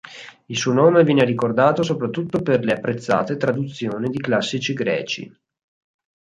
Il suo nome viene ricordato soprattutto per le apprezzate traduzioni di classici greci.